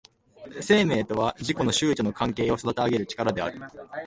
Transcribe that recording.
生命とは自己の周囲との関係を育てあげる力である。